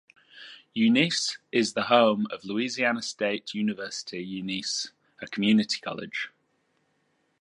Eunice is the home of Louisiana State University Eunice, a community college.